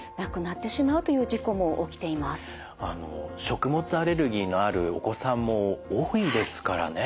あの食物アレルギーのあるお子さんも多いですからね。